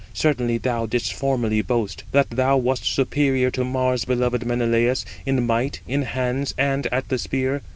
Certainly, thou didst formerly boast, that thou wast superior to Mars beloved Menelaus, in might, in hands, and at the spear.